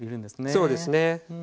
そうですね。